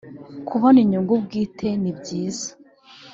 kubona inyungu bwite nibyiza